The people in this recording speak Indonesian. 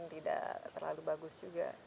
tidak terlalu bagus juga